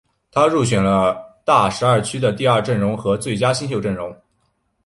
他入选了大十二区的第二阵容和最佳新秀阵容。